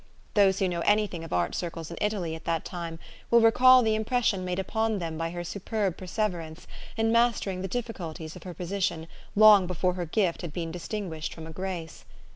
Those who know any thing of art circles in Italy at that time will recall the impression made upon them by her superb perseverance in mastering the difficulties of her position long before her gift had been distin guished from a grace.